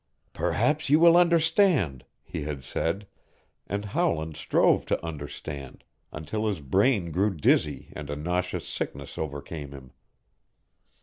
"Perhaps you will understand," he had said, and Howland strove to understand, until his brain grew dizzy and a nauseous sickness overcame him.